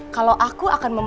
kalau aku akan memohon